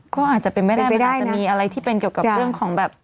ก็อาจจะเป็นไม่ได้มันอาจจะมีอะไรที่เป็นเกี่ยวกับเรื่องของแบบ